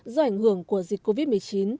do ảnh hưởng của dịch covid một mươi chín